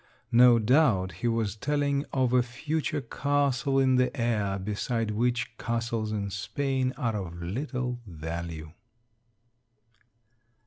No doubt he was telling of a future castle in the air beside which castles in Spain are of little value.